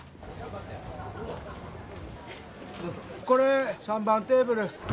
これ３番テーブル。